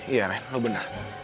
iya men lo benar